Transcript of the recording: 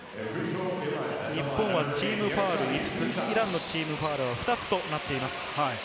日本はチームファウル５つ、イランのチームファウルは２つとなっています。